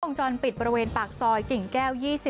วงจรปิดบริเวณปากซอยกิ่งแก้ว๒๔